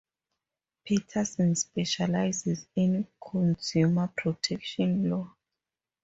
Peterson specializes in consumer protection law.